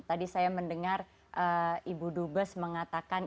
tadi saya mendengar ibu dubes mengatakan